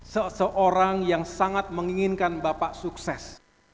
seseorang yang sangat menginginkan bapak sukses